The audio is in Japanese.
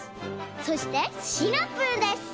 そしてシナプーです。